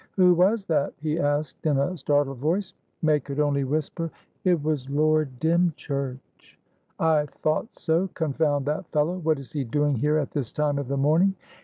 "Who was that?" he asked in a startled voice. May could only whisper. "It was Lord Dymchurch." "I thought so. Confound that fellow! What is he doing here at this time of the morning?"